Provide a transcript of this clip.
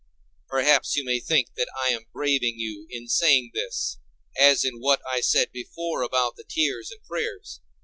Perhaps you may think that I am braving you in saying this, as in what I said before about the tears and prayers.